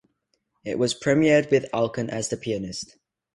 It was premiered with Alkan as the pianist.